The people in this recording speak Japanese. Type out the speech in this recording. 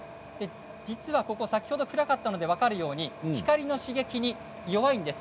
先ほどくらかったので分かるように光の刺激に弱いんです。